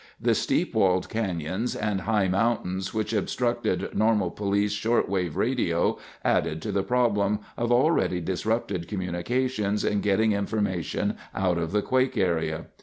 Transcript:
The steep walled canyons and high mountains which obstructed normal police short wave radio added to the problem of already disrupted communications in getting information out of the quake area.